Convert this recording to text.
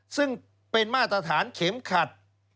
ซึ่งเป็นมาตรฐานเข็มขัด